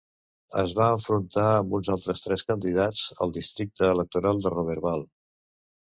Es va enfrontar amb uns altres tres candidats al districte electoral de Roberval.